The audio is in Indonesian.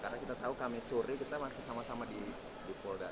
karena kita tahu kami suri kita masih sama sama di polda